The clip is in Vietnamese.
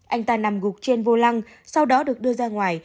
anh ta nằm gục trên vô lăng sau đó được đưa ra ngoài